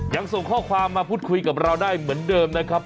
ยังส่งข้อความมาพูดคุยกับเราได้เหมือนเดิมนะครับ